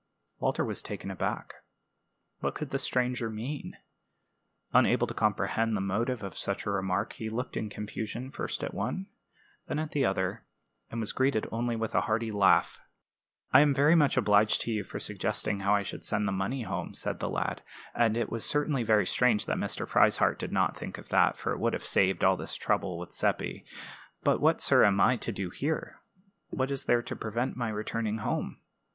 Walter was taken aback. What could the stranger mean? Unable to comprehend the motive of such a remark, he looked in confusion first at one, then at the other, and was greeted only with a hearty laugh. "I am very much obliged to you for suggesting how I should send the money home," said the lad; "and it was certainly very strange that Mr. Frieshardt did not think of that, for it would have saved all this trouble with Seppi. But what, sir, am I to do here? What is there to prevent my returning home?"